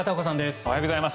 おはようございます。